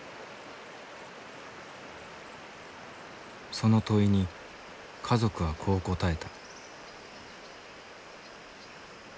その問いに家族はこう答えた。